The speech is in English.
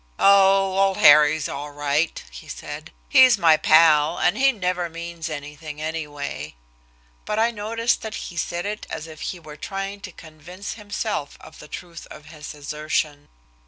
"Oh, old Harry's all right," he said. "He's my pal, and he never means anything, anyway." But I noticed that he said it as if he were trying to convince himself of the truth of his assertion.